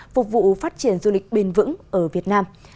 phục vụ phát triển du lịch bền vững ở việt nam